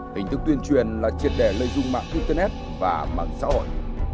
hình thức tuyên truyền là triệt đề lợi dụng mạng internet và mạng xã hội